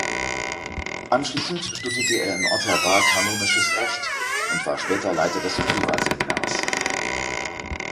Anschließend studierte er in Ottawa Kanonisches Recht und war später Leiter des Suva Seminars.